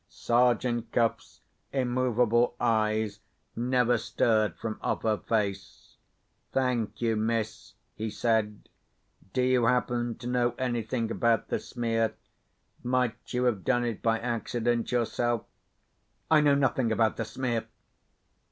Sergeant Cuff's immovable eyes never stirred from off her face. "Thank you, miss," he said. "Do you happen to know anything about the smear? Might you have done it by accident yourself?" "I know nothing about the smear."